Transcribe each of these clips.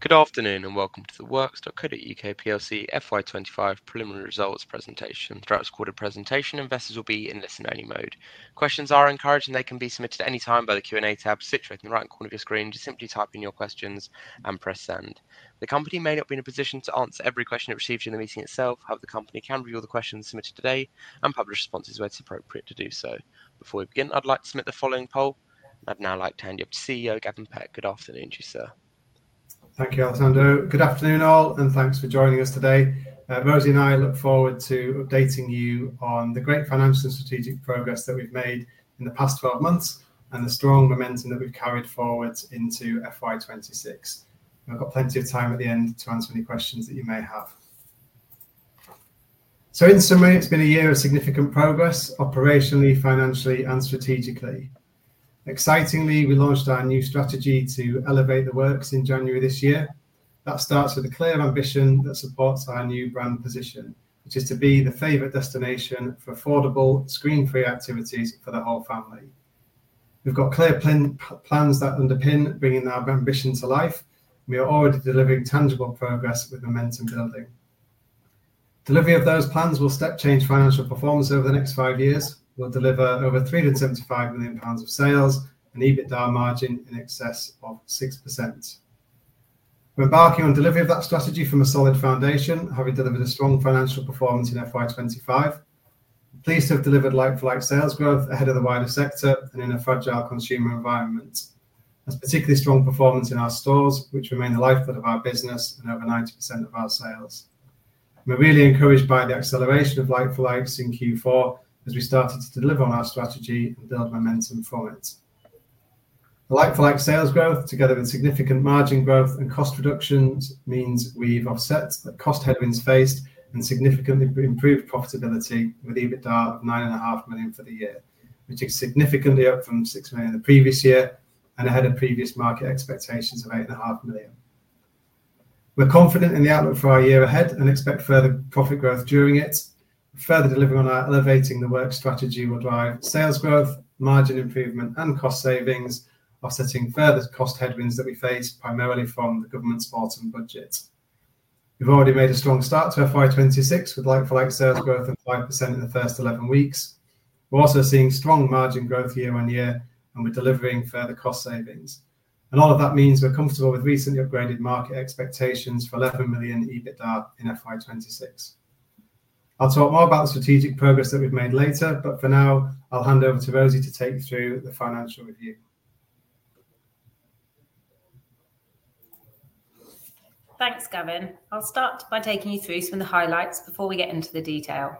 Good afternoon and welcome to The Works.co.uk PLC FY q2025 preliminary results presentation. Throughout its quarterly presentation, investors will be in listen-only mode. Questions are encouraged and they can be submitted at any time by the Q&A tab situated in the right-hand corner of your screen. Just simply type in your questions and press send. The company may not be in a position to answer every question it receives during the meeting itself. However, the company can review all the questions submitted today and publish responses where it's appropriate to do so. Before we begin, I'd like to submit the following poll. I'd now like to hand you up to CEO Gavin Peck. Good afternoon to you, sir. Thank you, Alessandro. Good afternoon all and thanks for joining us today. Rosie and I look forward to updating you on the great financial and strategic progress that we've made in the past 12 months and the strong momentum that we've carried forward into FY 2026. We've got plenty of time at the end to answer any questions that you may have. In summary, it's been a year of significant progress operationally, financially, and strategically. Excitingly, we launched our new strategy to Elevate The Works in January this year. That starts with a clear ambition that supports our new brand position, which is to be the favorite destination for affordable, screen-free activities for the whole family. We've got clear plans that underpin bringing our ambition to life, and we are already delivering tangible progress with momentum building. Delivery of those plans will step-change financial performance over the next five years. We'll deliver over £375 million of sales and an EBITDA margin in excess of 6%. We're embarking on delivery of that strategy from a solid foundation, having delivered a strong financial performance in FY 2025. We're pleased to have delivered like-for-like sales growth ahead of the wider sector and in a fragile consumer environment. That's particularly strong performance in our stores, which remain the lifeblood of our business and over 90% of our sales. We're really encouraged by the acceleration of like-for-likes in Q4 as we started to deliver on our strategy and build momentum for it. The like-for-like sales growth, together with significant margin growth and cost reductions, means we've offset the cost headwinds faced and significantly improved profitability with EBITDA of £9.5 million for the year, which is significantly up from £6 million in the previous year and ahead of previous market expectations of £8.5 million. We're confident in the outlook for our year ahead and expect further profit growth during it. Further delivery on our Elevate The Works strategy will drive sales growth, margin improvement, and cost savings, offsetting further cost headwinds that we face primarily from the government's autumn budget. We've already made a strong start to FY 2026 with like-for-like sales growth of 5% in the first 11 weeks. We're also seeing strong margin growth year-on-year, and we're delivering further cost savings. All of that means we're comfortable with recently upgraded market expectations for £11 million EBITDA in FY 2026. I'll talk more about the strategic progress that we've made later, but for now, I'll hand over to Rosie to take you through the financial review. Thanks, Gavin. I'll start by taking you through some of the highlights before we get into the detail.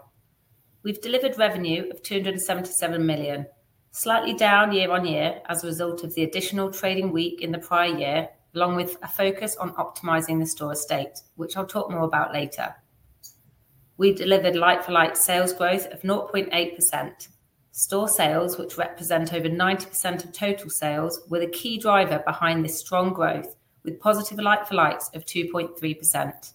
We've delivered revenue of £277 million, slightly down year-on-year as a result of the additional trading week in the prior year, along with a focus on optimizing the store estate, which I'll talk more about later. We delivered like-for-like sales growth of 0.8%. Store sales, which represent over 90% of total sales, were the key driver behind this strong growth, with positive like-for-likes of 2.3%.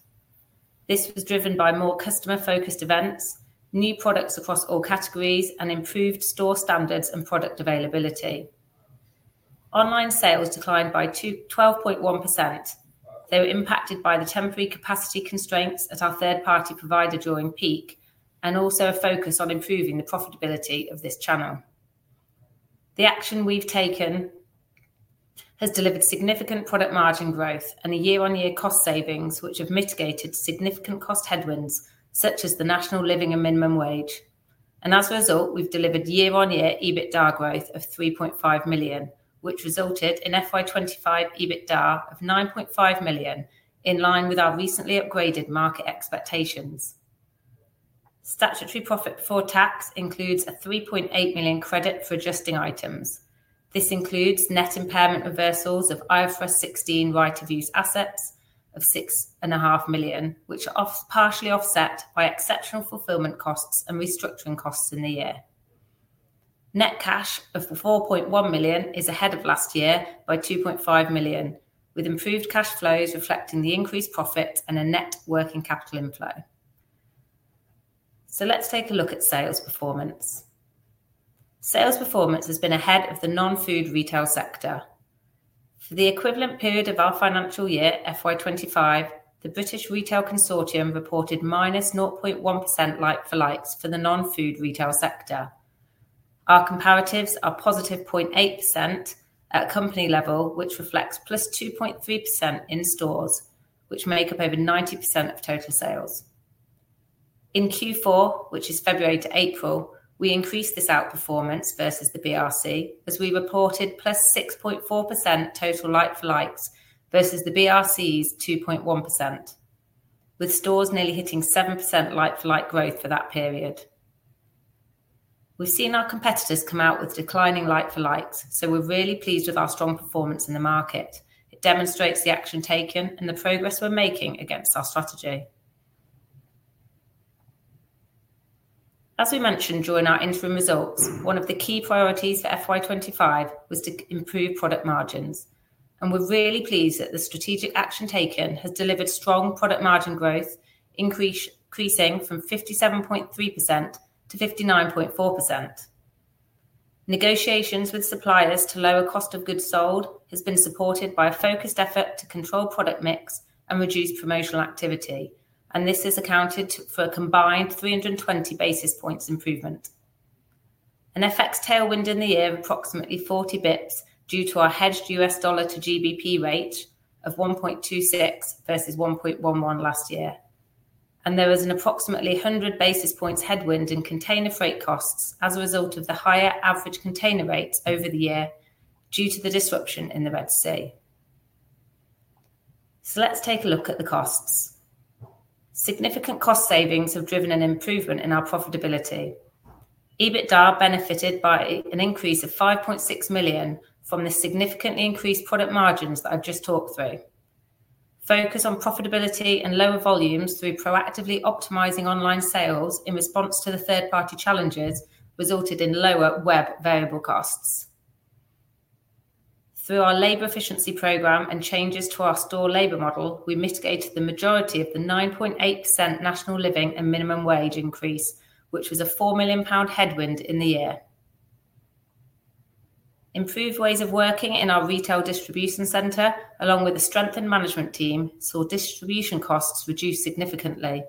This was driven by more customer-focused events, new products across all categories, and improved store standards and product availability. Online sales declined by 12.1%. They were impacted by the temporary capacity constraints as our third-party provider during peak and also a focus on improving the profitability of this channel. The action we've taken has delivered significant product margin growth and a year-on-year cost savings, which have mitigated significant cost headwinds such as the national living and minimum wage. As a result, we've delivered year-on-year EBITDA growth of £3.5 million, which resulted in FY 2025 EBITDA of £9.5 million, in line with our recently upgraded market expectations. Statutory profit before tax includes a £3.8 million credit for adjusting items. This includes net impairment reversals of IFRS 16 right-of-use assets of £6.5 million, which are partially offset by exceptional fulfillment costs and restructuring costs in the year. Net cash of £4.1 million is ahead of last year by £2.5 million, with improved cash flows reflecting the increased profit and a net working capital inflow. Let's take a look at sales performance. Sales performance has been ahead of the non-food retail sector. For the equivalent period of our financial year, FY 2025, the British Retail Consortium reported -0.1% like-for-likes for the non-food retail sector. Our comparatives are positive 0.8% at a company level, which reflects +2.3% in stores, which make up over 90% of total sales. In Q4, which is February to April, we increased this outperformance versus the BRC, as we reported +6.4% total like-for-likes versus the BRC's 2.1%, with stores nearly hitting 7% like-for-like growth for that period. We've seen our competitors come out with declining like-for-likes, so we're really pleased with our strong performance in the market. It demonstrates the action taken and the progress we're making against our strategy. As we mentioned during our interim results, one of the key priorities for FY 2025 was to improve product margins. We're really pleased that the strategic action taken has delivered strong product margin growth, increasing from 57.3% to 59.4%. Negotiations with suppliers to lower cost of goods sold have been supported by a focused effort to control product mix and reduce promotional activity. This has accounted for a combined 320 basis points improvement. An FX tailwind in the year of approximately 40 bps was due to our hedged U.S. dollar to GBP rate of 1.26 versus 1.11 last year. There was an approximately 100 basis points headwind in container freight costs as a result of the higher average container rates over the year due to the disruption in the Red Sea. Let's take a look at the costs. Significant cost savings have driven an improvement in our profitability. EBITDA benefited by an increase of £5.6 million from the significantly increased product margins that I've just talked through. Focus on profitability and lower volumes through proactively optimizing online sales in response to the third-party challenges resulted in lower web variable costs. Through our labor efficiency program and changes to our store labor model, we mitigated the majority of the 9.8% national living and minimum wage increase, which was a £4 million headwind in the year. Improved ways of working in our retail distribution center, along with a strengthened management team, saw distribution costs reduce significantly.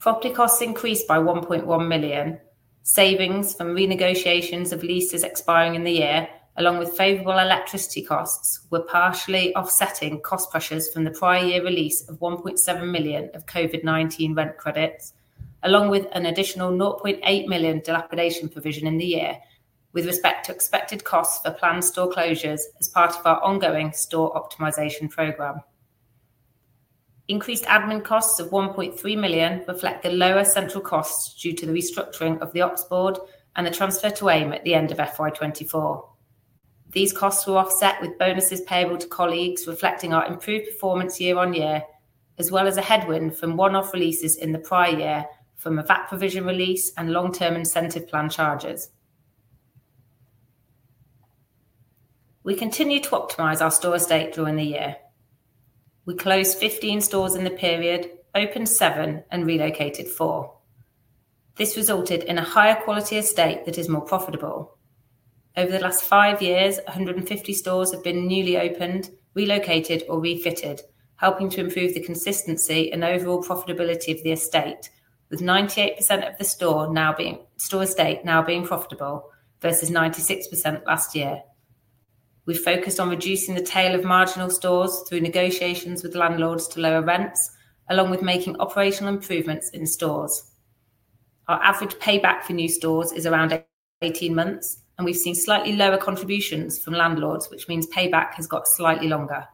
Property costs increased by £1.1 million. Savings from renegotiations of leases expiring in the year, along with favorable electricity costs, were partially offsetting cost pressures from the prior year release of £1.7 million of COVID-19 rent credits, along with an additional £0.8 million dilapidation provision in the year with respect to expected costs for planned store closures as part of our ongoing store optimization program. Increased admin costs of £1.3 million reflect the lower central costs due to the restructuring of the Oxboard and the transfer to AIM at the end of FY 2024. These costs were offset with bonuses payable to colleagues, reflecting our improved performance year-on-year, as well as a headwind from one-off releases in the prior year from a VAT provision release and long-term incentive plan charges. We continued to optimize our store estate during the year. We closed 15 stores in the period, opened seven, and relocated four. This resulted in a higher quality estate that is more profitable. Over the last five years, 150 stores have been newly opened, relocated, or refitted, helping to improve the consistency and overall profitability of the estate, with 98% of the store estate now being profitable versus 96% last year. We focused on reducing the tail of marginal stores through negotiations with landlords to lower rents, along with making operational improvements in stores. Our average payback for new stores is around 18 months, and we've seen slightly lower contributions from landlords, which means payback has got slightly longer.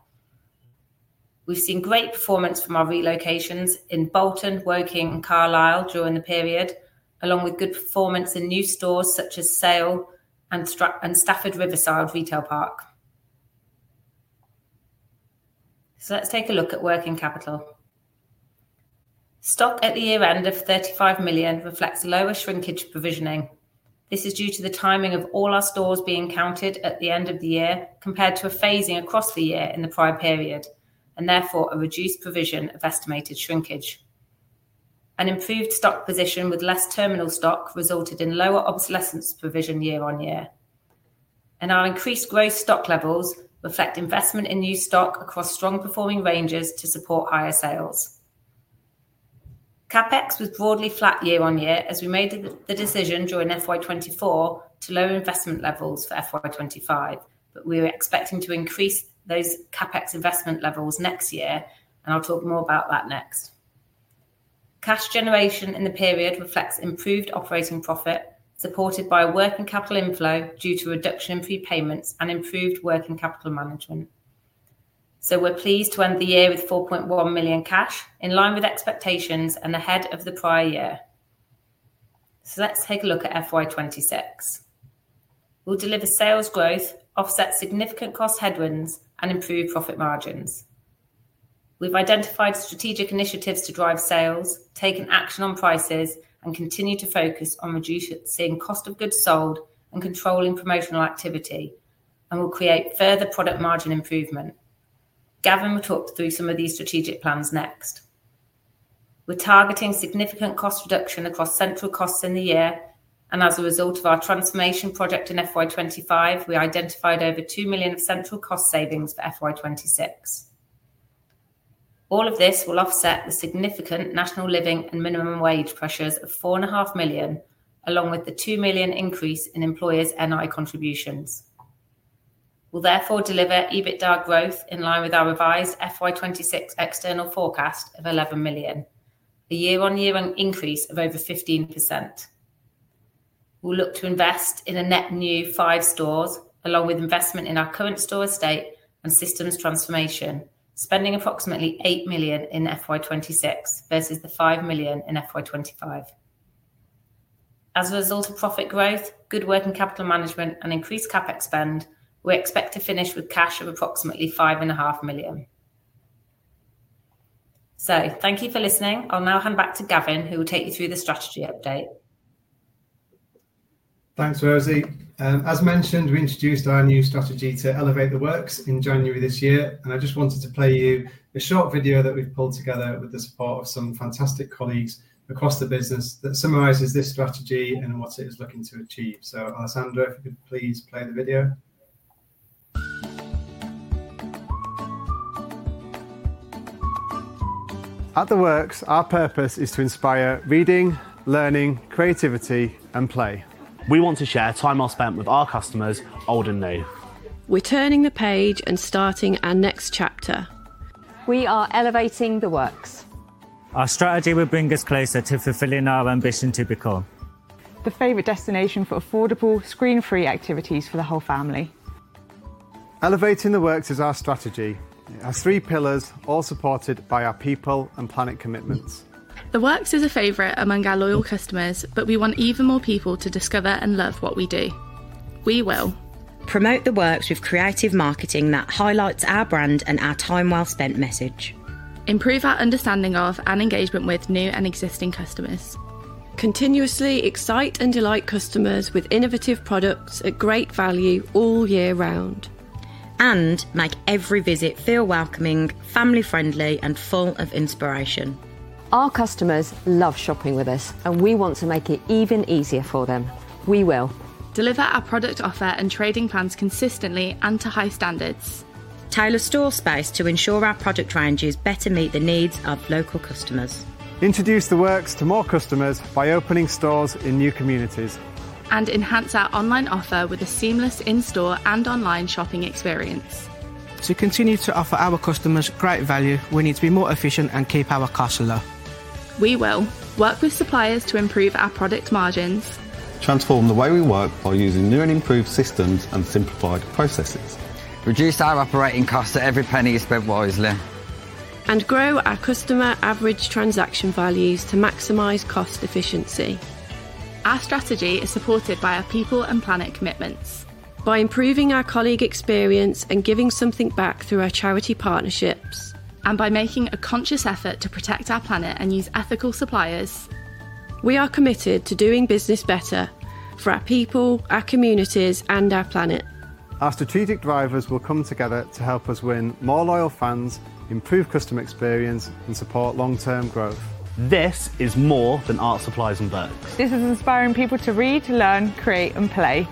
We've seen great performance from our relocations in Bolton, Woking, and Carlisle during the period, along with good performance in new stores such as SAIL and Stafford Riverside Retail Park. Let's take a look at working capital. Stock at the year-end of £35 million reflects lower shrinkage provisioning. This is due to the timing of all our stores being counted at the end of the year compared to a phasing across the year in the prior period, and therefore a reduced provision of estimated shrinkage. An improved stock position with less terminal stock resulted in lower obsolescence provision year-on-year. Our increased gross stock levels reflect investment in new stock across strong performing ranges to support higher sales. CapEx was broadly flat year-on-year as we made the decision during FY 2024 to lower investment levels for FY 2025, but we are expecting to increase those CapEx investment levels next year, and I'll talk more about that next. Cash generation in the period reflects improved operating profit supported by working capital inflow due to reduction in prepayments and improved working capital management. We're pleased to end the year with £4.1 million cash, in line with expectations and ahead of the prior year. Let's take a look at FY 2026, we'll deliver sales growth, offset significant cost headwinds, and improve profit margins. We've identified strategic initiatives to drive sales, taken action on prices, and continue to focus on reducing cost of goods sold and controlling promotional activity, and we'll create further product margin improvement. Gavin will talk through some of these strategic plans next. We're targeting significant cost reduction across central costs in the year, and as a result of our transformation project in FY 2025, we identified over £2 million of central cost savings for FY 2026. All of this will offset the significant National Living and Minimum Wage pressures of £4.5 million, along with the £2 million increase in employers' NI contributions. We'll therefore deliver EBITDA growth in line with our revised FY 2026 external forecast of £11 million, a year-on-year increase of over 15%. We'll look to invest in a net new five stores, along with investment in our current store estate and systems transformation, spending approximately £8 million in FY 2026 versus the £5 million in FY 2025. As a result of profit growth, good working capital management, and increased CapEx spend, we expect to finish with cash of approximately £5.5 million. Thank you for listening. I'll now hand back to Gavin, who will take you through the strategy update. Thanks, Rosie. As mentioned, we introduced our new strategy to Elevate The Works in January this year, and I just wanted to play you a short video that we've pulled together with the support of some fantastic colleagues across the business that summarizes this strategy and what it is looking to achieve. Alessandro, if you could please play the video. At The Works, our purpose is to inspire reading, learning, creativity, and play. We want to share time well spent with our customers, old and new. We're turning the page and starting our next chapter. We are Elevating The Works. Our strategy will bring us closer to fulfilling our ambition to become. The favorite destination for affordable, screen-free activities for the whole family. Elevating The Works is our strategy. Our three pillars, all supported by our people and planet commitments. The Works is a favorite among our loyal customers, and we want even more people to discover and love what we do. We will. Promote The Works with creative marketing that highlights our brand and our time well spent message. Improve our understanding of and engagement with new and existing customers. Continuously excite and delight customers with innovative products at great value all year round. Make every visit feel welcoming, family-friendly, and full of inspiration. Our customers love shopping with us, and we want to make it even easier for them. We will. Deliver our product offer and trading plans consistently and to high standards. Tailor store space to ensure our product ranges better meet the needs of local customers. Introduce The Works to more customers by opening stores in new communities. We enhance our online offer with a seamless in-store and online shopping experience. To continue to offer our customers great value, we need to be more efficient and keep our costs low. We will work with suppliers to improve our product margins. Transform the way we work by using new and improved systems and simplified processes. Reduce our operating costs so every penny is spent wisely. We grow our customer average transaction values to maximize cost efficiency. Our strategy is supported by our people and planet commitments. By improving our colleague experience and giving something back through our charity partnerships. We are making a conscious effort to protect our planet and use ethical suppliers. We are committed to doing business better for our people, our communities, and our planet. Our strategic drivers will come together to help us win more loyal fans, improve customer experience, and support long-term growth. This is more than art supplies and books. This is inspiring people to read, learn, create, and play.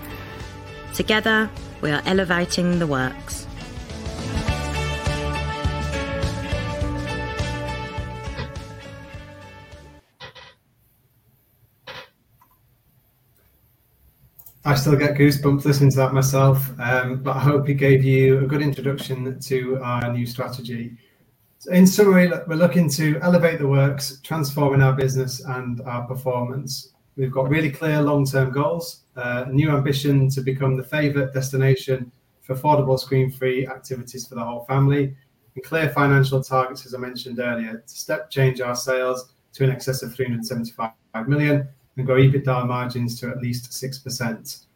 Together, we are Elevating The Works. I still get goosebumps listening to that myself, but I hope it gave you a good introduction to our new strategy. In summary, we're looking to elevate The Works, transforming our business and our performance. We've got really clear long-term goals, new ambition to become the favorite destination for affordable, screen-free activities for the whole family, and clear financial targets, as I mentioned earlier, to step-change our sales to in excess of £375 million and grow EBITDA margins to at least 6%.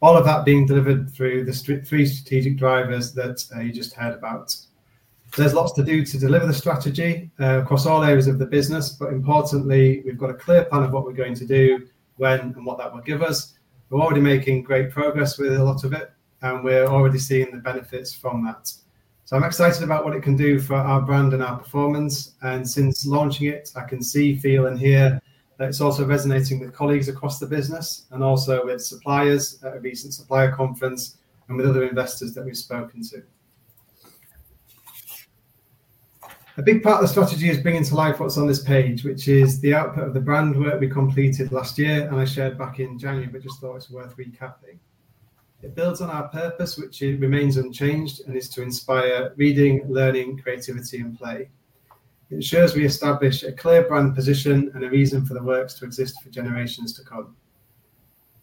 All of that being delivered through the three strategic drivers that you just heard about. There is lots to do to deliver the strategy across all areas of the business, but importantly, we've got a clear plan of what we're going to do, when, and what that will give us. We're already making great progress with a lot of it, and we're already seeing the benefits from that. I'm excited about what it can do for our brand and our performance, and since launching it, I can see, feel, and hear that it's also resonating with colleagues across the business and also with suppliers at a recent supplier conference and with other investors that we've spoken to. A big part of the strategy is bringing to life what's on this page, which is the output of the brand work we completed last year and I shared back in January, but just thought it's worth recapping. It builds on our purpose, which remains unchanged, and is to inspire reading, learning, creativity, and play. It ensures we establish a clear brand position and a reason for The Works to exist for generations to come.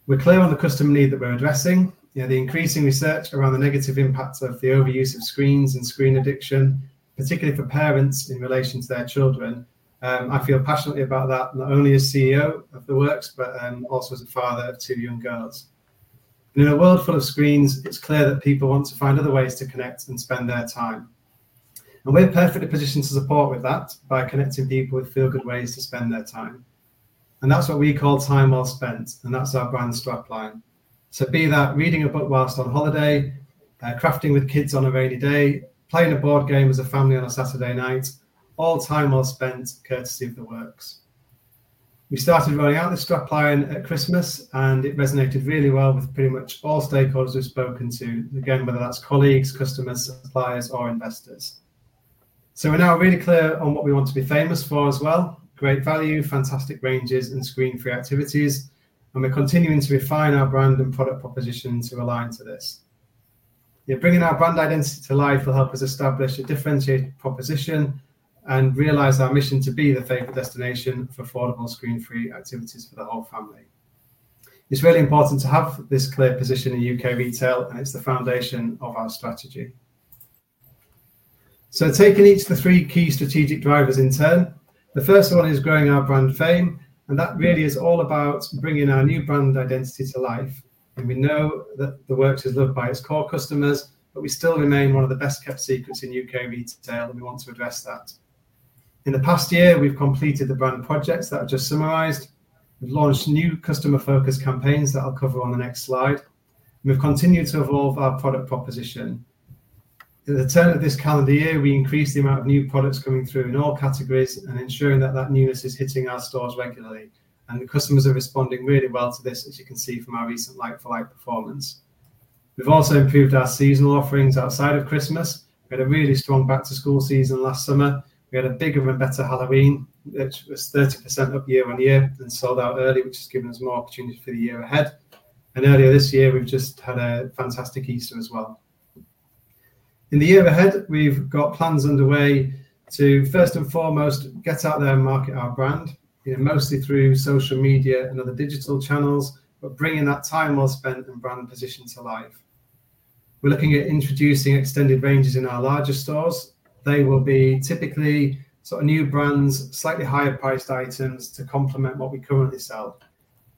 We're clear on the customer need that we're addressing. We have increasing research around the negative impacts of the overuse of screens and screen addiction, particularly for parents in relation to their children. I feel passionately about that, not only as CEO of The Works, but also as a father of two young girls. In a world full of screens, it's clear that people want to find other ways to connect and spend their time. We're perfectly positioned to support with that by connecting people with feel-good ways to spend their time. That's what we call time well spent, and that's our brand's strapline. Be that reading a book whilst on holiday, crafting with kids on a rainy day, playing a board game as a family on a Saturday night, all time well spent courtesy of The Works. We started rolling out this strapline at Christmas, and it resonated really well with pretty much all stakeholders we've spoken to, whether that's colleagues, customers, suppliers, or investors. We're now really clear on what we want to be famous for as well: great value, fantastic ranges in screen-free activities, and we're continuing to refine our brand and product proposition to align to this. Bringing our brand identity to life will help us establish a differentiated proposition and realize our mission to be the favorite destination for affordable, screen-free activities for the whole family. It's really important to have this clear position in U.K. retail, and it's the foundation of our strategy. Taking each of the three key strategic drivers in turn, the first one is growing our brand fame, and that really is all about bringing our new brand identity to life. We know that The Works is loved by its core customers, but we still remain one of the best-kept secrets in U.K. retail, and we want to address that. In the past year, we've completed the brand projects that I've just summarized. We've launched new customer-focused campaigns that I'll cover on the next slide. We've continued to evolve our product proposition. In the turn of this calendar year, we increased the amount of new products coming through in all categories and ensuring that that newness is hitting our stores regularly. The customers are responding really well to this, as you can see from our recent like-for-like performance. We've also improved our seasonal offerings outside of Christmas. We had a really strong back-to-school season last summer. We had a bigger and better Halloween, which was 30% up year-on-year and sold out early, which has given us more opportunity for the year ahead. Earlier this year, we've just had a fantastic Easter as well. In the year ahead, we've got plans underway to, first and foremost, get out there and market our brand, mostly through social media and other digital channels, but bringing that time well spent and brand position to life. We're looking at introducing extended ranges in our larger stores. They will be typically sort of new brands, slightly higher-priced items to complement what we currently sell.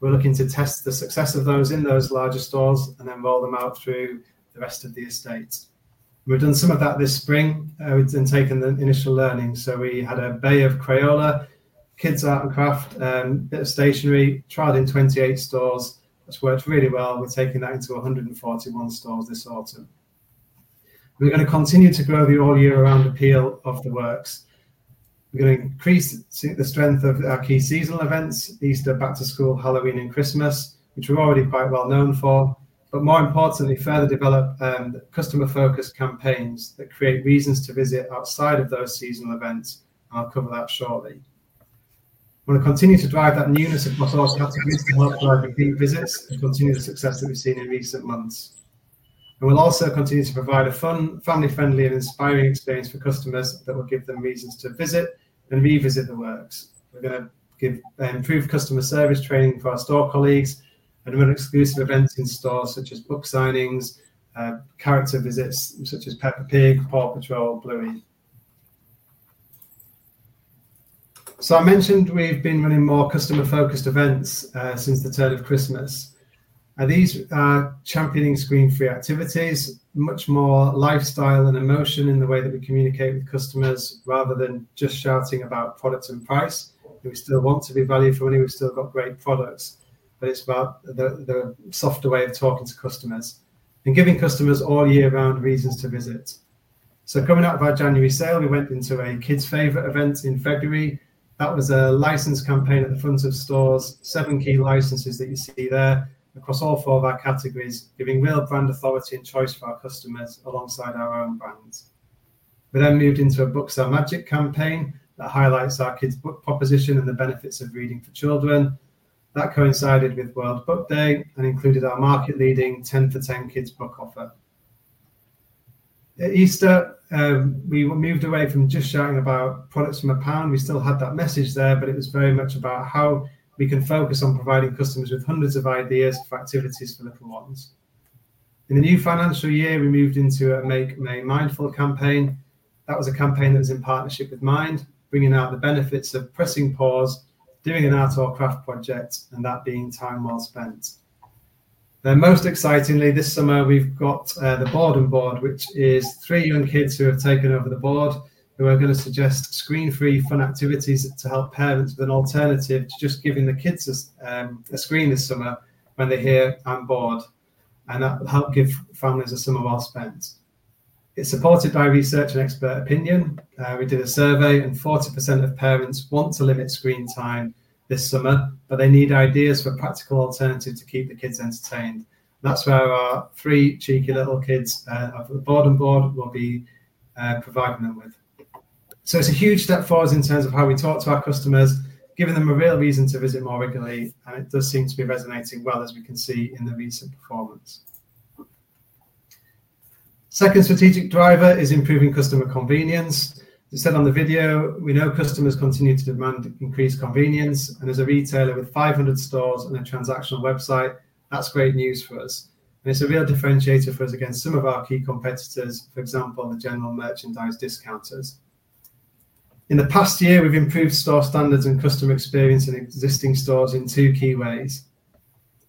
We're looking to test the success of those in those larger stores and then roll them out through the rest of the estates. We've done some of that this spring and taken the initial learnings. We had a bay of Crayola, Kids Art & Craft, a bit of stationery, trialed in 28 stores, which worked really well. We are taking that into 141 stores this autumn. We are going to continue to grow the all-year-round appeal of The Works. We are going to increase the strength of our key seasonal events: Easter, back-to-school, Halloween, and Christmas, which we are already quite well known for, but more importantly, further develop customer-focused campaigns that create reasons to visit outside of those seasonal events. I will cover that shortly. We are going to continue to drive that newness of my thought categories to more of the repeat visits and continue the success that we have seen in recent months. We will also continue to provide a fun, family-friendly, and inspiring experience for customers that will give them reasons to visit and revisit The Works. We are going to give improved customer service training for our store colleagues and run exclusive events in stores such as book signings, character visits such as Peppa Pig, Paw Patrol, or Bluey. I mentioned we have been running more customer-focused events since the turn of Christmas. These are championing screen-free activities, much more lifestyle and emotion in the way that we communicate with customers rather than just shouting about products and price. We still want to be value for money. We have still got great products, but it is about the softer way of talking to customers and giving customers all year round reasons to visit. Coming out of our January sale, we went into a kids' favorite event in February. That was a license campaign at the front of stores, seven key licenses that you see there across all four of our categories, giving real brand authority and choice for our customers alongside our own brands. We then moved into a Books Are Magic campaign that highlights our kids' book proposition and the benefits of reading for children. That coincided with World Book Day and included our market-leading 10 for £10 kids' book offer. At Easter, we moved away from just shouting about products from a pan. We still had that message there, but it was very much about how we can focus on providing customers with hundreds of ideas for activities for little ones. In the new financial year, we moved into a Make Money Mindful campaign. That was a campaign that was in partnership with Mind, bringing out the benefits of pressing pause, doing an art or craft project, and that being time well spent. Most excitingly, this summer we've got the Boredom Board, which is three young kids who have taken over the board, who are going to suggest screen-free fun activities to help parents with an alternative to just giving the kids a screen this summer when they hear, "I'm bored." That will help give families a summer well spent. It's supported by research and expert opinion. We did a survey and 40% of parents want to limit screen time this summer, but they need ideas for practical alternatives to keep the kids entertained. That's where our three cheeky little kids of the Boredom Board will be providing them with. It's a huge step forward in terms of how we talk to our customers, giving them a real reason to visit more regularly, and it does seem to be resonating well, as we can see in the recent performance. The second strategic driver is improving customer convenience. As I said on the video, we know customers continue to demand increased convenience, and as a retailer with 500 stores and a transactional website, that's great news for us. It's a real differentiator for us against some of our key competitors, for example, the general merchandise discounters. In the past year, we've improved store standards and customer experience in existing stores in two key ways.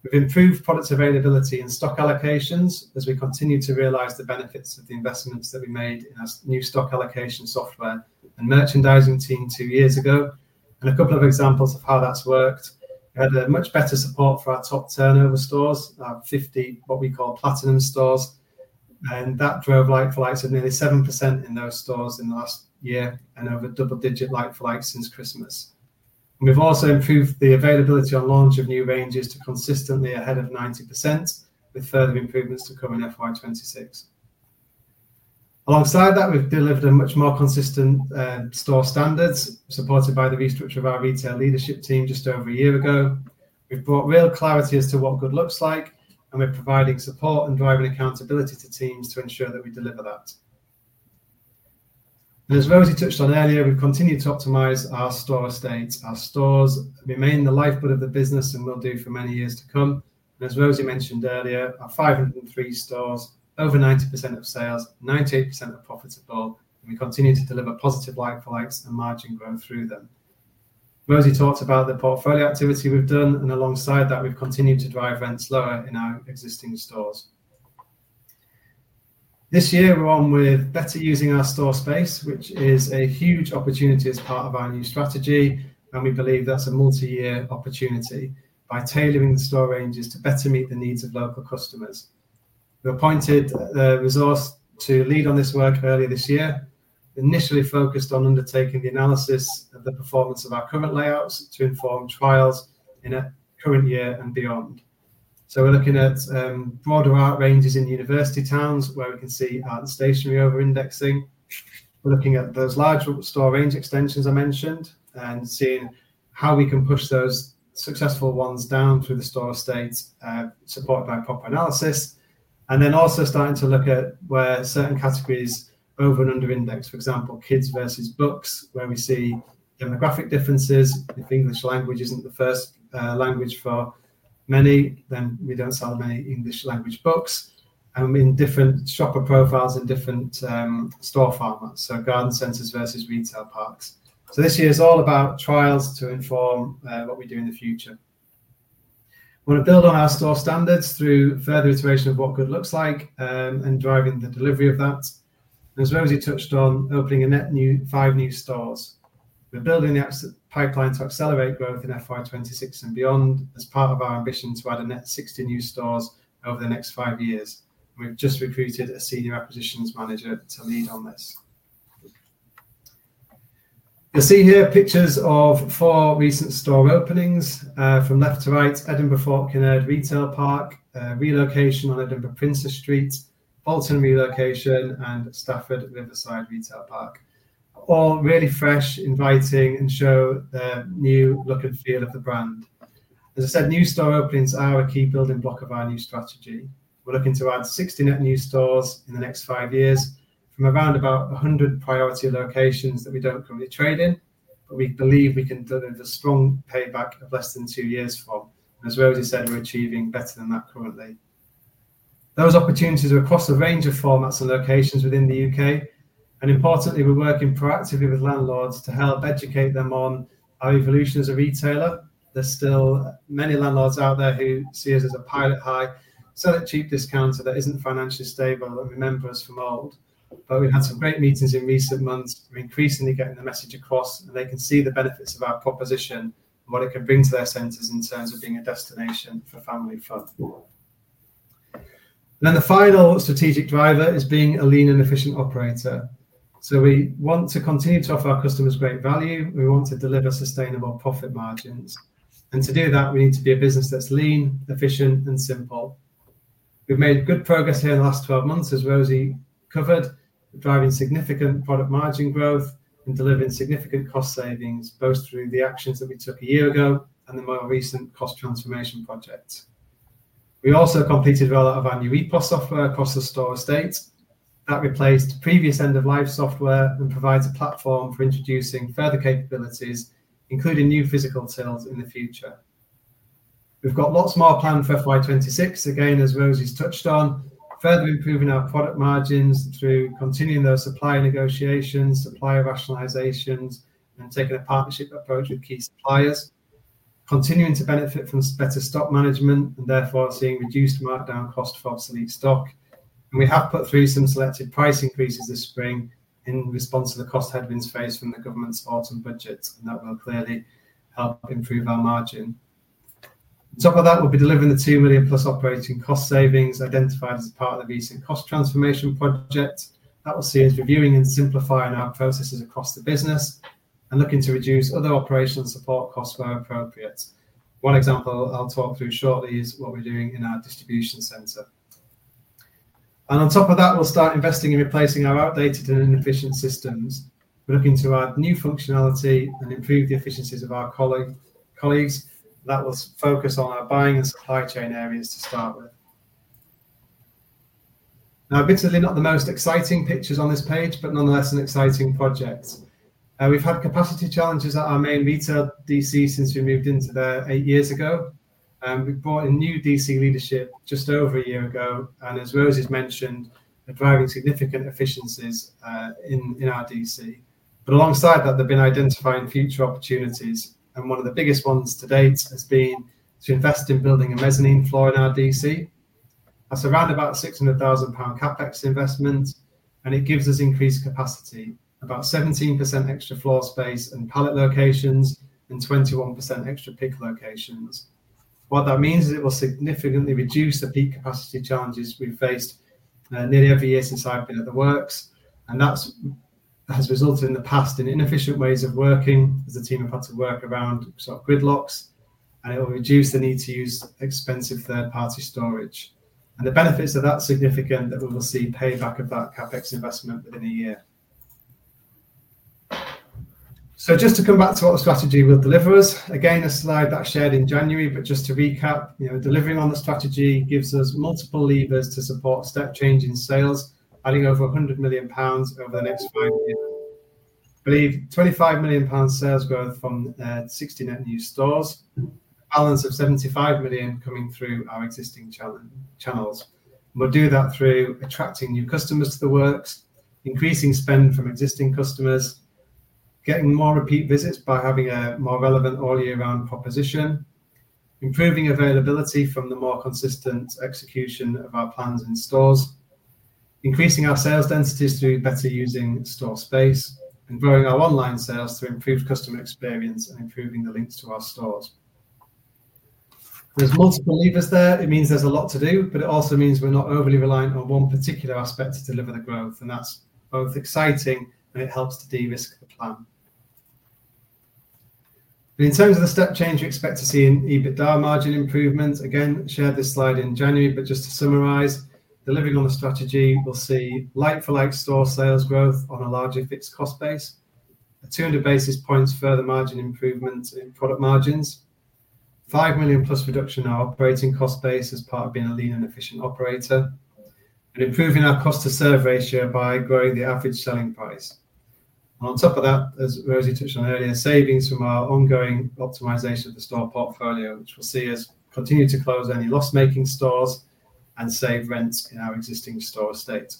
We've improved product availability and stock allocations as we continue to realize the benefits of the investments that we made in our new stock allocation software and merchandising team two years ago. A couple of examples of how that's worked: we had much better support for our top turnover stores, our 50, what we call platinum stores, and that drove like-for-like sales at nearly 7% in those stores in the last year and over double-digit like-for-like sales since Christmas. We've also improved the availability on launch of new ranges to consistently ahead of 90%, with further improvements to come in FY 2026. Alongside that, we've delivered much more consistent store standards supported by the restructure of our retail leadership team just over a year ago. We've brought real clarity as to what good looks like, and we're providing support and driving accountability to teams to ensure that we deliver that. As Rosie touched on earlier, we've continued to optimize our store estates. Our stores remain the lifeblood of the business and will do for many years to come. As Rosie mentioned earlier, our 503 stores, over 90% of sales, 98% are profitable, and we continue to deliver positive like-for-like sales and margin growth through them. Rosie talked about the portfolio activity we've done, and alongside that, we've continued to drive rents lower in our existing stores. This year, we're on with better using our store space, which is a huge opportunity as part of our new strategy, and we believe that's a multi-year opportunity by tailoring the store ranges to better meet the needs of local customers. We appointed a resource to lead on this work earlier this year, initially focused on undertaking the analysis of the performance of our current layouts to inform trials in the current year and beyond. We're looking at broader art ranges in university towns where we can see arts and stationery over-indexing. We're looking at those large store range extensions I mentioned and seeing how we can push those successful ones down through the store estate, supported by proper analysis. We're also starting to look at where certain categories over and under-index, for example, kids versus books, where we see demographic differences. If English language isn't the first language for many, then we don't sell many English-language books. We mean different shopper profiles in different store formats, such as garden centers versus retail parks. This year is all about trials to inform what we do in the future. We want to build on our store standards through further iteration of what good looks like and driving the delivery of that. As Rosie touched on, opening a net new five new stores. We're building the pipeline to accelerate growth in FY 2026 and beyond as part of our ambition to add a net 60 new stores over the next five years. We've just recruited a Senior Acquisitions Manager to lead on this. You'll see here pictures of four recent store openings. From left to right, Edinburgh Fort Kinnaird retail park, a relocation on Edinburgh Princes Street, Bolton Relocation, and Stafford Riverside retail park. All really fresh, inviting, and show the new look and feel of the brand. New store openings are a key building block of our new strategy. We're looking to add 60 net new stores in the next five years from around about 100 priority locations that we don't currently trade in, but we believe we can deliver the strong payback of less than two years from. As Rosie said, we're achieving better than that currently. Those opportunities are across a range of formats and locations within the U.K. Importantly, we're working proactively with landlords to help educate them on our evolution as a retailer. There are still many landlords out there who see us as a pile it high, sell at cheap discounts so that isn't financially stable and remember us from old. We've had some great meetings in recent months, increasingly getting the message across, and they can see the benefits of our proposition and what it could bring to their centers in terms of being a destination for family fun. The final strategic driver is being a lean and efficient operator. We want to continue to offer our customers great value. We want to deliver sustainable profit margins. To do that, we need to be a business that's lean, efficient, and simple. We've made good progress here in the last 12 months, as Rosie covered, driving significant product margin growth and delivering significant cost savings both through the actions that we took a year ago and the more recent cost transformation projects. We also completed our value EPOS software across the store estate. That replaced previous end-of-life software and provides a platform for introducing further capabilities, including new physical tills in the future. We've got lots more planned for FY 2026, again, as Rosie's touched on, further improving our product margins through continuing those supply negotiations, supplier rationalizations, and taking a partnership approach with key suppliers. Continuing to benefit from better stock management and therefore seeing reduced markdown cost for obsolete stock. We have put through some selective price increases this spring in response to the cost headwinds faced from the government's autumn budget, and that will clearly help improve our margin. On top of that, we'll be delivering the £2 million plus operating cost savings identified as part of the recent cost transformation project. That will see us reviewing and simplifying our processes across the business and looking to reduce other operational support costs where appropriate. One example I'll talk through shortly is what we're doing in our distribution centre. On top of that, we'll start investing in replacing our outdated and inefficient systems. We're looking to add new functionality and improve the efficiencies of our colleagues. That will focus on our buying and supply chain areas to start with. Now, admittedly, not the most exciting pictures on this page, but nonetheless an exciting project. We've had capacity challenges at our main retail DC since we moved into there eight years ago. We've brought in new DC leadership just over a year ago. As Rosie has mentioned, they've driven significant efficiencies in our DC. Alongside that, they've been identifying future opportunities. One of the biggest ones to date has been to invest in building a mezzanine floor in our DC. That's around £600,000 CapEx investment, and it gives us increased capacity, about 17% extra floor space and pallet locations, and 21% extra pick locations. What that means is it will significantly reduce the peak capacity challenges we've faced nearly every year since I've been at The Works. That has resulted in the past in inefficient ways of working as the team have had to work around gridlocks. It will reduce the need to use expensive third-party storage. The benefits of that are significant, and we will see payback of that CapEx investment within a year. Just to come back to what the strategy will deliver us, again, a slide that was shared in January, but just to recap, delivering on the strategy gives us multiple levers to support step-changing sales, adding over £100 million over the next five years. We believe £25 million sales growth from 60 net new stores, a balance of £75 million coming through our existing channels. We'll do that through attracting new customers to The Works, increasing spend from existing customers, getting more repeat visits by having a more relevant all-year-round proposition, improving availability from the more consistent execution of our plans in stores, increasing our sales densities through better using store space, and growing our online sales through improved customer experience and improving the links to our stores. With multiple levers there, it means there's a lot to do, but it also means we're not overly reliant on one particular aspect to deliver the growth. That is both exciting and it helps to de-risk the plan. In terms of the step change you expect to see in EBITDA margin improvement, again, shared this slide in January, but just to summarize, delivering on the strategy, we'll see like-for-like store sales growth on a larger fixed cost base, a 200 basis points further margin improvement in product margins, a £5 million plus reduction in our operating cost base as part of being a lean and efficient operator, and improving our cost-to-serve ratio by growing the average selling price. On top of that, as Rosie touched on earlier, savings from our ongoing optimization of the store portfolio, which will see us continue to close any loss-making stores and save rent in our existing store estate.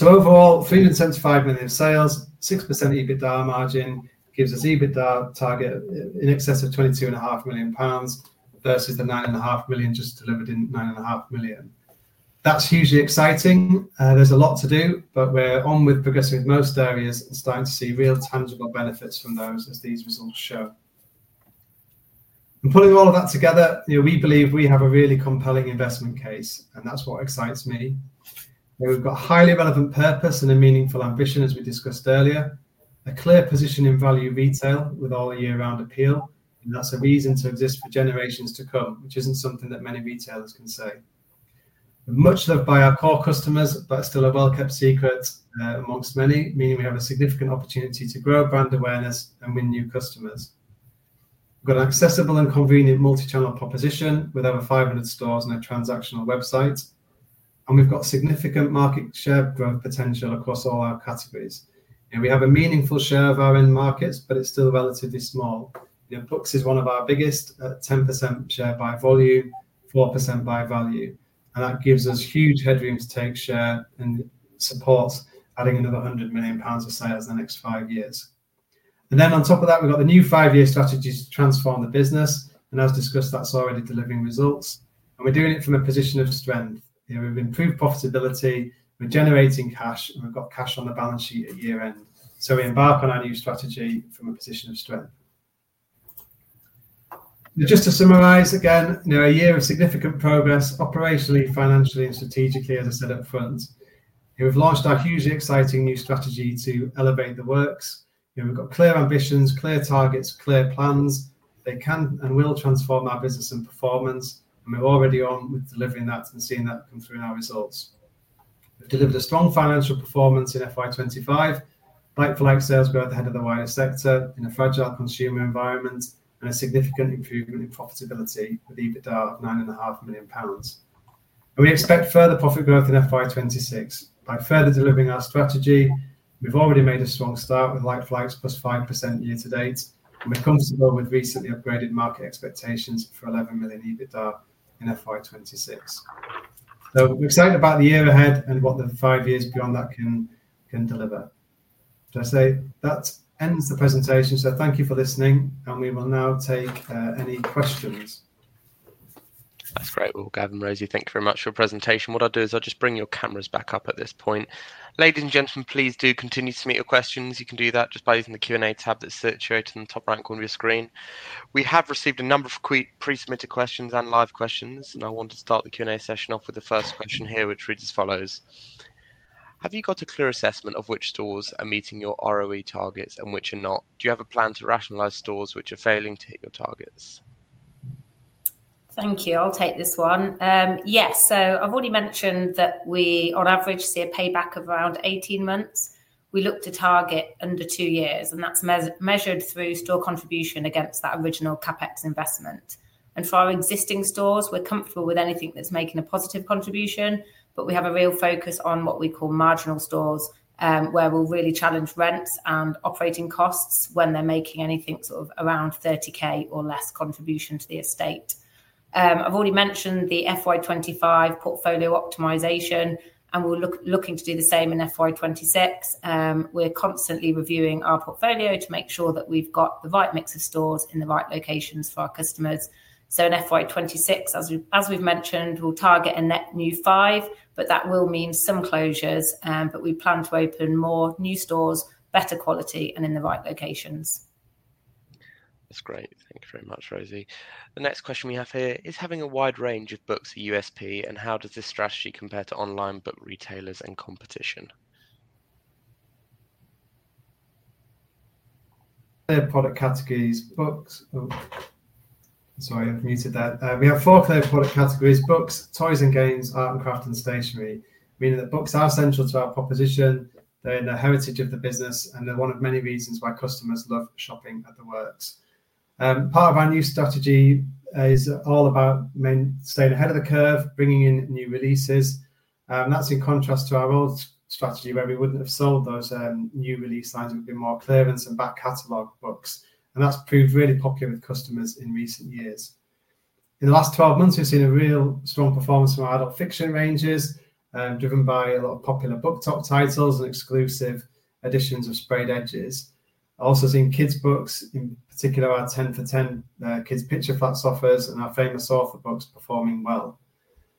Overall, £375 million sales, 6% EBITDA margin gives us an EBITDA target in excess of £22.5 million versus the £9.5 million just delivered in £9.5 million. That's hugely exciting. There's a lot to do, but we're progressing in most areas and starting to see real tangible benefits from those, as these results show. Putting all of that together, you know, we believe we have a really compelling investment case, and that's what excites me. We've got a highly relevant purpose and a meaningful ambition, as we discussed earlier, a clear position in value retail with all year-round appeal. That's a reason to exist for generations to come, which isn't something that many retailers can say. We're much loved by our core customers, but that's still a well-kept secret amongst many, meaning we have a significant opportunity to grow brand awareness and win new customers. We've got an accessible and convenient multi-channel proposition with over 500 stores and a transactional website. We've got significant market share growth potential across all our categories. We have a meaningful share of our end markets, but it's still relatively small. Books is one of our biggest, at 10% share by volume, 4% by value. That gives us huge headroom to take share and supports adding another £100 million of sales in the next five years. On top of that, we've got the new five-year strategy to transform the business. As discussed, that's already delivering results. We're doing it from a position of strength. We've improved profitability, we're generating cash, and we've got cash on the balance sheet at year-end. We embark on our new strategy from a position of strength. Just to summarize again, you know, a year of significant progress operationally, financially, and strategically on a setup front. We've launched our hugely exciting new strategy to Elevate The Works. We've got clear ambitions, clear targets, clear plans. They can and will transform our business and performance. We're already on with delivering that and seeing that come through in our results. We've delivered a strong financial performance in FY 2025, like-for-like sales growth ahead of the wider sector in a fragile consumer environment, and a significant improvement in profitability with EBITDA of £9.5 million. We expect further profit growth in FY 2026 by further delivering our strategy. We've already made a strong start with like-for-likes plus 5% year-to-date. We're comfortable with recently upgraded market expectations for £11 million EBITDA in FY 2026. We're excited about the year ahead and what the five years beyond that can deliver. I say that ends the presentation. Thank you for listening, and we will now take any questions. That's great. Gavin, Rosie, thank you very much for your presentation. What I'll do is I'll just bring your cameras back up at this point. Ladies and gentlemen, please do continue to submit your questions. You can do that just by using the Q&A tab that's situated in the top right corner of your screen. We have received a number of quick pre-submitted questions and live questions, and I want to start the Q&A session off with the first question here, which reads as follows. Have you got a clear assessment of which stores are meeting your ROE targets and which are not? Do you have a plan to rationalize stores which are failing to hit your targets? Thank you. I'll take this one. Yes, I've already mentioned that we, on average, see a payback of around 18 months. We look to target under two years, and that's measured through store contribution against that original CapEx investment. For our existing stores, we're comfortable with anything that's making a positive contribution, but we have a real focus on what we call marginal stores, where we'll really challenge rents and operating costs when they're making anything around £30,000 or less contribution to the estate. I've already mentioned the FY 2025 portfolio optimization, and we're looking to do the same in FY 2026. We're constantly reviewing our portfolio to make sure that we've got the right mix of stores in the right locations for our customers. In FY 2026, as we've mentioned, we'll target a net new five, which will mean some closures, but we plan to open more new stores, better quality, and in the right locations. That's great. Thank you very much, Rosie. The next question we have here is having a wide range of books a USP, and how does this strategy compare to online book retailers and competition? There are product categories, books. Oh, sorry, I've muted that. We have four clear product categories: books, toys and games, art and craft, and stationery, meaning that books are central to our proposition. They're in the heritage of the business, and they're one of many reasons why customers love shopping at The Works. Part of our new strategy is all about staying ahead of the curve, bringing in new releases. That's in contrast to our old strategy, where we wouldn't have sold those new release titles with more clearance and back catalogue books. That's proved really popular with customers in recent years. In the last 12 months, we've seen a real strong performance from our adult fiction ranges, driven by a lot of popular book top titles and exclusive editions of sprayed edges. I've also seen kids' books, in particular our 10 for £10 kids' picture flat offers and our famous author books, performing well.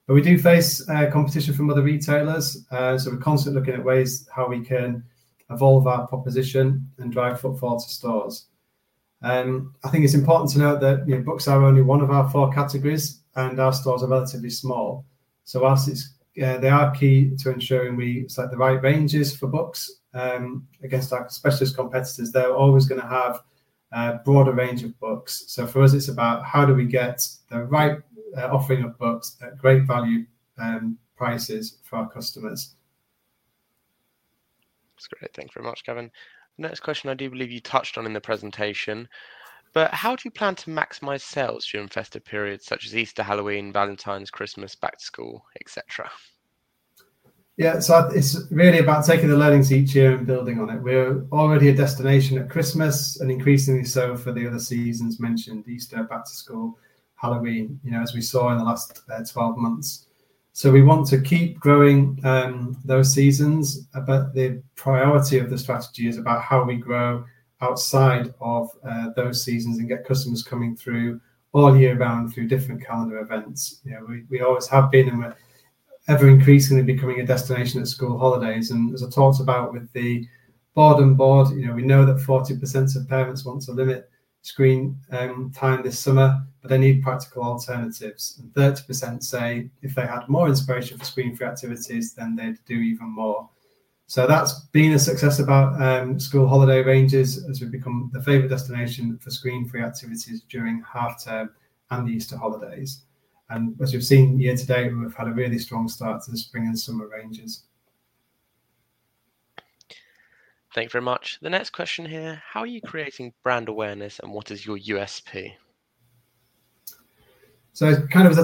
We do face competition from other retailers, so we're constantly looking at ways how we can evolve our proposition and drive footfall to stores. I think it's important to note that books are only one of our four categories, and our stores are relatively small. Whilst they are key to ensuring we select the right ranges for books against our specialist competitors, they're always going to have a broader range of books. For us, it's about how do we get the right offering of books at great value and prices for our customers. That's great. Thanks very much, Gavin. Next question, I do believe you touched on in the presentation, but how do you plan to maximize sales during festive periods such as Easter, Halloween, Valentine's, Christmas, back to school, etc.? Yeah, it's really about taking the learnings each year and building on it. We're already a destination at Christmas and increasingly so for the other seasons mentioned: Easter, back to school, Halloween, as we saw in the last 12 months. We want to keep growing those seasons, but the priority of the strategy is about how we grow outside of those seasons and get customers coming through all year round through different calendar events. We always have been ever increasingly becoming a destination at school holidays, and as I talked about with the Board, you know, we know that 40% of parents want to limit screen time this summer, but they need practical alternatives. 30% say if they had more inspiration for screen-free activities, then they'd do even more. That has been a success about school holiday ranges as we've become the favorite destination for screen-free activities during half term and the Easter holidays. As you've seen year to date, we've had a really strong start to the spring and summer ranges. Thanks very much. The next question here, how are you creating brand awareness and what is your USP? As I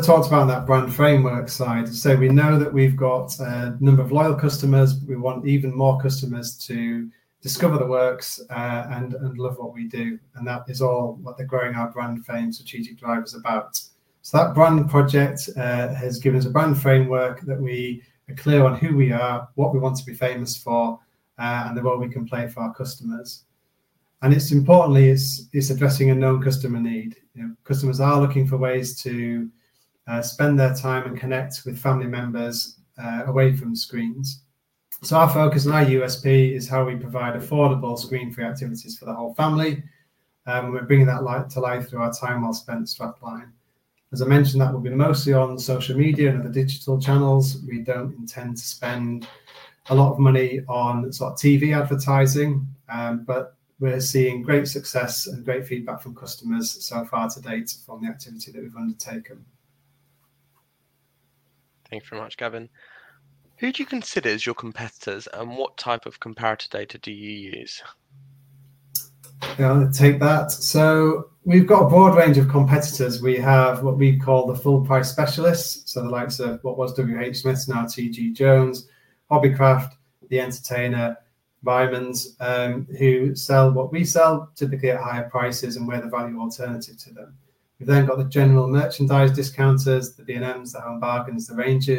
talked about on that brand framework side, we know that we've got a number of loyal customers, but we want even more customers to discover The Works and love what we do. That is all what the growing our brand fame strategic drive is about. That brand project has given us a brand framework that we are clear on who we are, what we want to be famous for, and the role we can play for our customers. Importantly, it's addressing a known customer need. Customers are looking for ways to spend their time and connect with family members away from screens. Our focus and our USP is how we provide affordable screen-free activities for the whole family. We're bringing that to life through our time well spent strapline. As I mentioned, that will be mostly on social media and other digital channels. We don't intend to spend a lot of money on TV advertising, but we're seeing great success and great feedback from customers so far to date from the activity that we've undertaken. Thanks very much, Gavin. Who do you consider as your competitors and what type of comparative data do you use? I'll take that. We've got a broad range of competitors. We have what we call the full price specialists, so the likes of what was WH Smith, now TJ Jones, Hobbycraft, The Entertainer, Byman's, who sell what we sell typically at higher prices and where the value alternative to them. We've then got the general merchandise discounters, the B&Ms, the Home Bargains, the Range,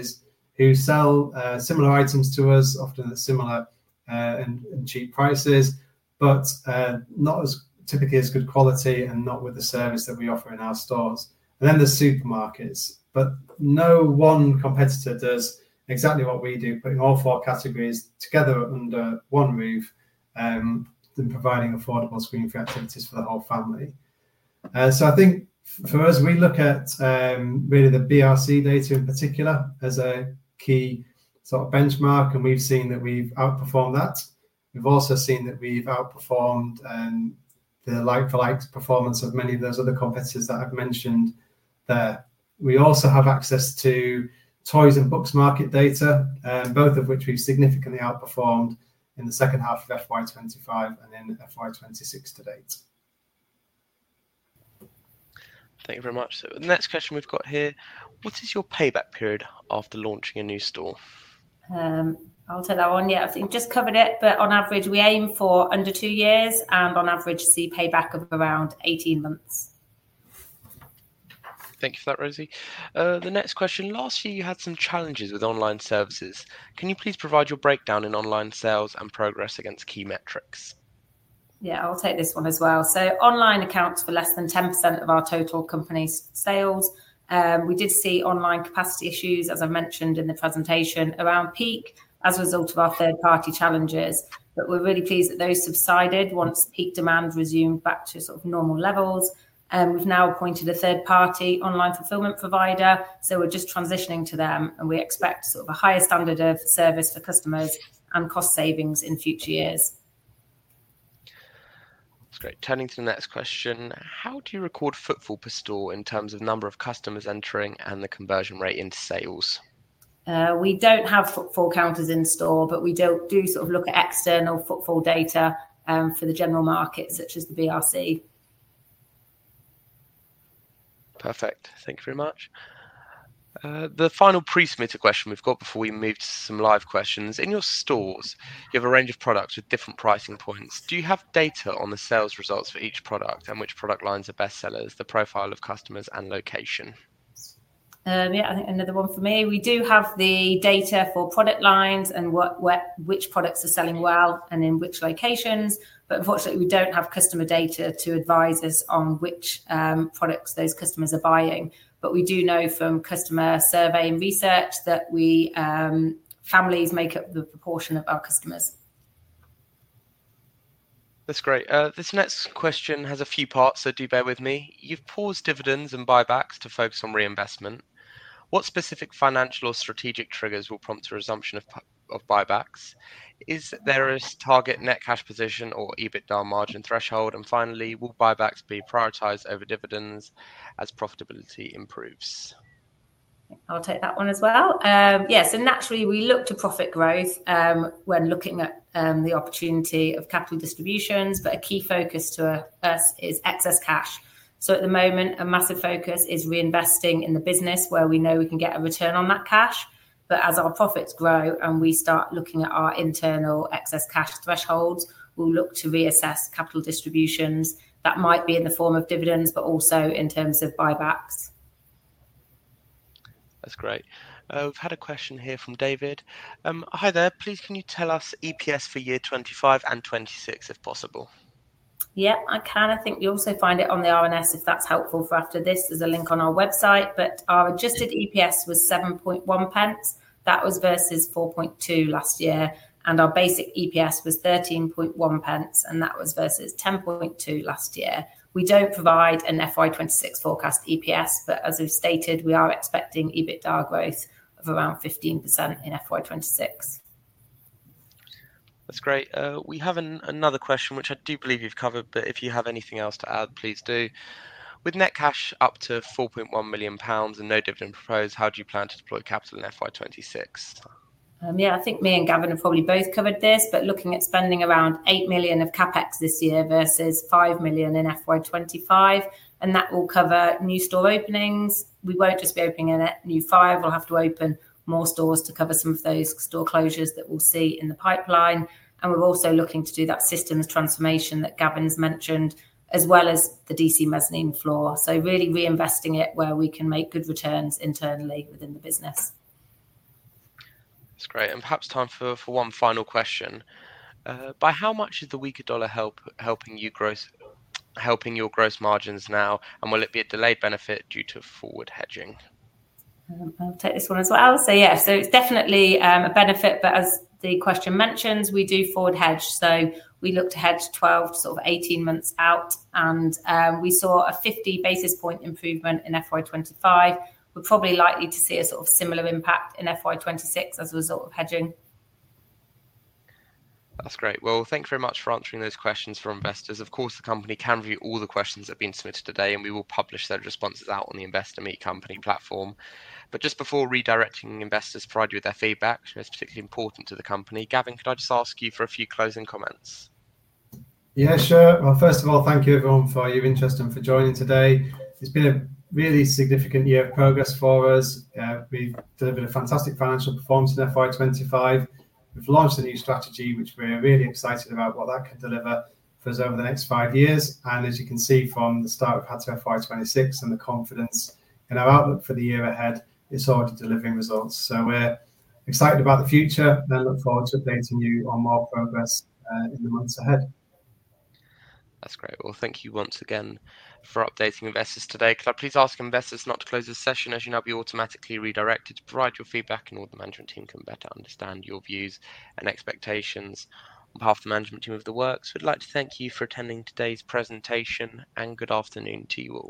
who sell similar items to us, often at similar and cheap prices, but not as typically as good quality and not with the service that we offer in our stores. There are supermarkets, but no one competitor does exactly what we do, putting all four categories together under one roof and providing affordable screen-free activities for the whole family. I think for us, we look at really the BRC data in particular as a key sort of benchmark, and we've seen that we've outperformed that. We've also seen that we've outperformed the like-for-like sales performance of many of those other competitors that I've mentioned there. We also have access to toys and books market data, both of which we've significantly outperformed in the second half of FY 2025 and FY 2026 to date. Thank you very much. The next question we've got here, what is your payback period after launching a new store? I'll take that one. I think you've just covered it, but on average, we aim for under two years, and on average see payback of around 18 months. Thank you for that, Rosie. The next question, last year you had some challenges with online services. Can you please provide your breakdown in online sales and progress against key metrics? I'll take this one as well. Online accounts for less than 10% of our total company's sales. We did see online capacity issues, as I mentioned in the presentation, around peak as a result of our third-party challenges. We're really pleased that those subsided once peak demand resumed back to sort of normal levels. We've now appointed a third-party online fulfilment provider, so we're just transitioning to them, and we expect sort of a higher standard of service for customers and cost savings in future years. That's great. Turning to the next question, how do you record footfall per store in terms of number of customers entering and the conversion rate into sales? We don't have footfall counters in store, but we do sort of look at external footfall data for the general market, such as the BRC. Perfect. Thank you very much. The final pre-submitted question we've got before we move to some live questions. In your stores, you have a range of products with different pricing points. Do you have data on the sales results for each product and which product lines are best sellers, the profile of customers, and location? I think another one for me. We do have the data for product lines and which products are selling well and in which locations, but unfortunately, we don't have customer data to advise us on which products those customers are buying. We do know from customer survey and research that families make up the proportion of our customers. That's great. This next question has a few parts, so do bear with me. You've paused dividends and buybacks to focus on reinvestment. What specific financial or strategic triggers will prompt your resumption of buybacks? Is there a target net cash position or EBITDA margin threshold? Finally, will buybacks be prioritized over dividends as profitability improves? I'll take that one as well. Yeah, naturally, we look to profit growth when looking at the opportunity of capital distributions, but a key focus to us is excess cash. At the moment, a massive focus is reinvesting in the business where we know we can get a return on that cash. As our profits grow and we start looking at our internal excess cash thresholds, we'll look to reassess capital distributions. That might be in the form of dividends, but also in terms of buybacks. That's great. We've had a question here from David. Hi there, please can you tell us EPS for year 2025 and 2026 if possible? Yeah, I can. I think you'll also find it on the RNS if that's helpful for after this. There's a link on our website, but our adjusted EPS was 7.1 pence. That was versus 4.2 pence last year. Our basic EPS was 13.1 pence, and that was versus 10.2 pence last year. We don't provide an FY 2026 forecast EPS, but as we've stated, we are expecting EBITDA growth of around 15% in FY 2026. That's great. We have another question, which I do believe you've covered, but if you have anything else to add, please do. With net cash up to £4.1 million and no dividend proposed, how do you plan to deploy capital in FY 2026? Yeah, I think me and Gavin have probably both covered this, but looking at spending around £8 million of CapEx this year versus £5 million in FY 2025, and that will cover new store openings. We won't just be opening a new five. We'll have to open more stores to cover some of those store closures that we'll see in the pipeline. We're also looking to do that systems transformation that Gavin's mentioned, as well as the DC mezzanine floor. Really reinvesting it where we can make good returns internally within the business. That's great. Perhaps time for one final question. By how much is the weaker dollar helping your gross margins now, and will it be a delayed benefit due to forward hedging? I'll take this one as well. Yes, it's definitely a benefit, but as the question mentions, we do forward hedge. We look to hedge 12-18 months out, and we saw a 50 bps improvement in FY 2025. We're probably likely to see a similar impact in FY 2026 as a result of hedging. That's great. Thank you very much for answering those questions for investors. Of course, the company can review all the questions that have been submitted today, and we will publish those responses out on the Investor Meet Company platform. Just before redirecting investors to provide you with their feedback, which is particularly important to the company, Gavin, could I just ask you for a few closing comments? Yeah, sure. First of all, thank you everyone for your interest and for joining today. It's been a really significant year of progress for us. We've delivered a fantastic financial performance in FY 2025. We've launched a new strategy, which we're really excited about what that can deliver for us over the next five years. As you can see from the start of FY 2026 and the confidence in our outlook for the year ahead, it's already delivering results. We're excited about the future and I look forward to updating you on more progress in the months ahead. That's great. Thank you once again for updating investors today. Could I please ask investors not to close this session? As you know, you'll be automatically redirected to provide your feedback and all the management team can better understand your views and expectations. On behalf of the management team of The Works, we'd like to thank you for attending today's presentation and good afternoon to you all.